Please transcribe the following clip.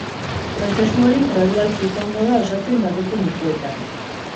Prozesu hori gradualki joango da osatzen datozen urteetan.